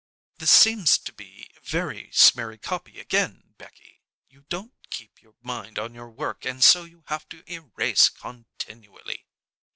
"This seems to be very smeary copy again, Becky. You don't keep your mind on your work, and so you have to erase continually."